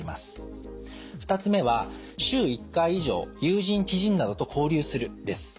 ２つ目は「週１回以上友人・知人などと交流する」です。